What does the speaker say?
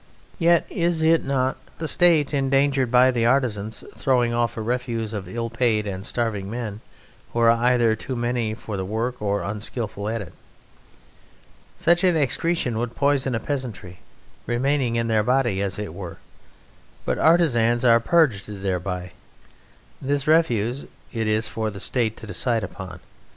Yet is not the State endangered by the artisan's throwing off a refuse of ill paid and starving men who are either too many for the work or unskilful at it? Such an excretion would poison a peasantry, remaining in their body as it were, but artisans are purged thereby. This refuse it is for the State to decide upon.